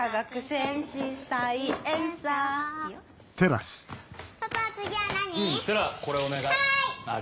星来これお願い。